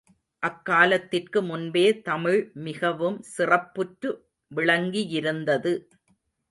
அக்காலத்திற்கு முன்பே தமிழ் மிகவும் சிறப்புற்று விளங்கியிருந்தது.